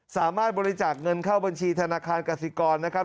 สามารถบริจาคเงินเข้าบัญชีธนาคารกสิกรนะครับ